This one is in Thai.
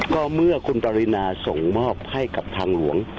ก็เมื่อคุณปรินาส่งมอบให้กับทางหลวง